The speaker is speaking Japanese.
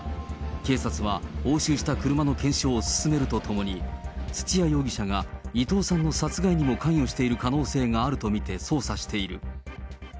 警察は押収した車の検証を進めるとともに、土屋容疑者が伊藤さんの殺害にも関与している可能性があると見て